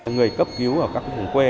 người cấp cứu ở các thùng quê